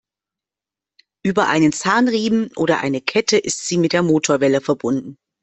Über einen Zahnriemen oder eine Kette ist sie mit der Motorwelle verbunden.